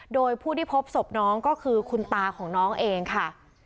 โดยผู้ที่พบศพน้องก็คือคุณตาของน้องเองค่ะ